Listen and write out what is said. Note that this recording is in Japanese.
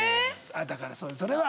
だからそれは。